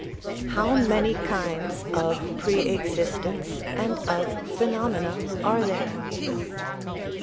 How many kinds of pre existence and of phenomena are there